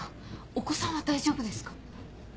お子さんは大丈夫ですか？